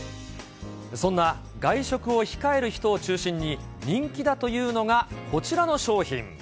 そんな外食を控える人を中心に、人気だというのがこちらの商品。